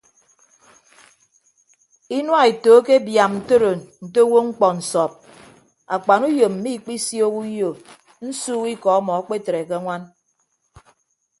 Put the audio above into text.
Inua eto akebiaam ntoro nte owo mkpọ nsọp akpanuyom mmikpisiooho uyo nsuuk ikọ ọmọ akpetre ke añwan.